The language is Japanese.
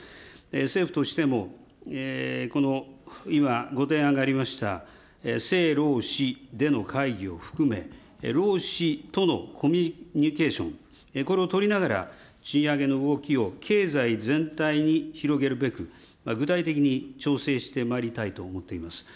政府としても、この今、ご提案がありました、政労使での会議を含め、労使とのコミュニケーション、これを取りながら、賃上げの動きを経済全体に広げるべく、具体的に調整してまいりたいと思っています。